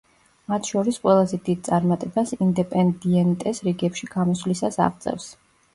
მათ შორის ყველაზე დიდ წარმატებას „ინდეპენდიენტეს“ რიგებში გამოსვლისას აღწევს.